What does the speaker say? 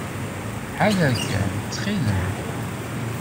Ḥader kan, ttxil-m.